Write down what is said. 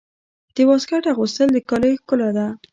د واسکټ اغوستل د کالیو ښکلا ده.